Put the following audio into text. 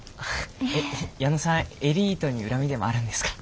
矢野さんエリートに恨みでもあるんですか？